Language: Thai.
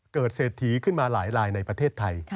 เกิดเศรษฐีขึ้นมาหลายในประเทศไทย